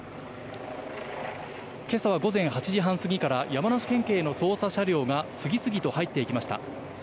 今朝は午前８時半すぎから山梨県警の捜査車両が次々と入っていきました。